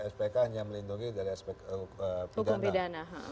spk hanya melindungi dari aspek hukum pidana